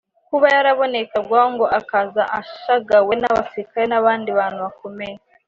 Kuba yarabonekerwaga ngo akaza ashagawe n'abasilikari n'abandi bantu bakomeye